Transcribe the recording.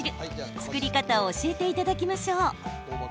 作り方を教えていただきましょう。